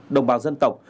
đồng bào dân tộc